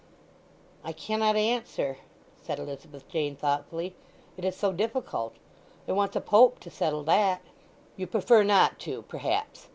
"I cannot answer," said Elizabeth Jane thoughtfully. "It is so difficult. It wants a Pope to settle that!" "You prefer not to perhaps?"